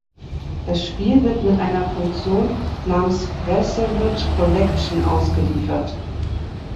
Das Spiel wird mit einer Funktion namens "Preserved Collection" ausgeliefert.